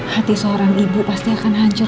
hati seorang ibu pasti akan hancur